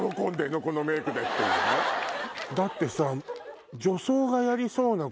だってさ。